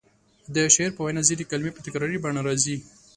د شاعر په وینا کې ځینې کلمې په تکراري بڼه راځي.